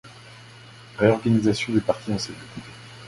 Réorganisation du Parti en cellules.